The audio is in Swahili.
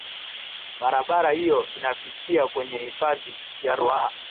barabara hiyo inapitia kwenye hifadhi ya ruaha